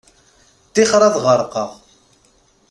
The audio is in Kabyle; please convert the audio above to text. Ṭṭixer ad ɣerqeɣ.